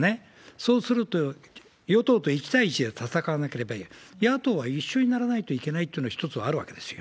そうすると、与党と１対１で戦わなければ、野党は一緒にならないといけないってのも一つはあるわけですよ。